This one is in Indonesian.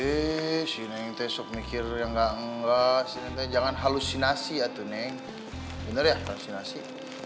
ih sih neng teh sok mikir yang gak enggak si neng teh jangan halusinasi ya tuh neng bener ya halusinasi